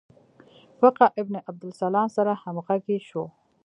فقیه ابن عبدالسلام سره همغږي شو.